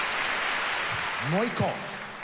もう１個。